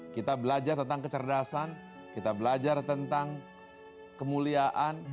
kita belajar tentang kecerdasan kita belajar tentang kemuliaan